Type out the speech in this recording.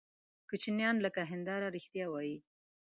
کوچنیان لکه هنداره رښتیا وایي.